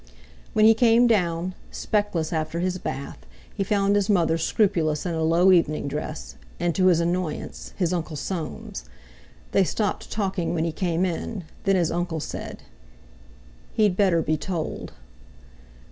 When he came down, speckless after his bath, he found his mother scrupulous in a low evening dress, and, to his annoyance, his Uncle Soames. They stopped talking when he came in; then his uncle said: "He'd better be told."